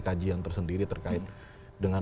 kajian tersendiri terkait dengan